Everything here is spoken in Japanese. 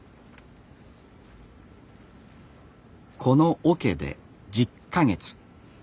このおけで１０か月。